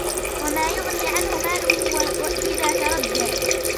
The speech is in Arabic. وما يغني عنه ماله إذا تردى